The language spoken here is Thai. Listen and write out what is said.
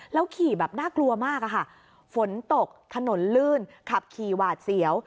ขี่แบบน่ากลัวมากอะค่ะฝนตกถนนลื่นขับขี่หวาดเสียว